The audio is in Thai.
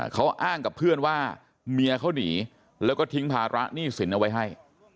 เขาอ้างกับเพื่อนว่าเมียเขาหนีแล้วก็ทิ้งภาระหนี้สินเอาไว้ให้